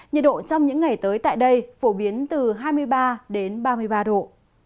nhiệt độ trong những ngày tới tại đây phổ biến từ hai mươi ba đến ba mươi ba độ